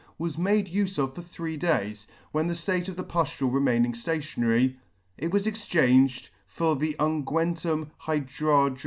was made ufe of for three days, when the Rate of the pufiule remaining flationary, it was exchanged for the ung, hydr.